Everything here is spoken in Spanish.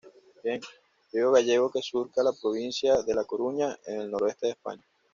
Río gallego que surca la provincia de La Coruña, en el noroeste de España.